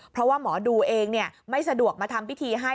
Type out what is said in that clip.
เพราะว่าหมอดูเองไม่สะดวกมาทำพิธีให้